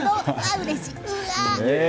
うれしい！